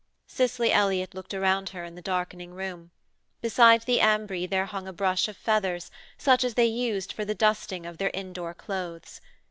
Cicely Elliott looked around her in the darkening room: beside the ambry there hung a brush of feathers such as they used for the dusting of their indoor clothes.